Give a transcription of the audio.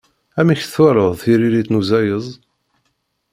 Amek twalaḍ tiririt n uzayez?